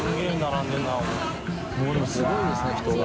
すごいですね人が。